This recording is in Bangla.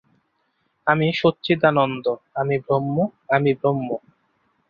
আমি সচ্চিদানন্দ, আমি ব্রহ্ম, আমি ব্রহ্ম।